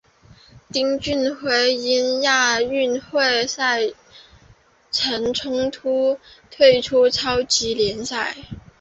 丁俊晖因亚运会赛程冲突退出超级联赛。